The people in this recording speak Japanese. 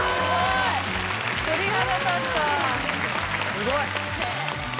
すごい！